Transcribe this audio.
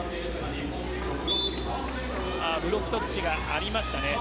ブロックタッチがありました。